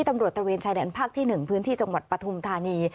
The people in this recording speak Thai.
ตำรวจตระเวนชายแดนภาคที่๑พื้นที่จังหวัดปฐุมธานี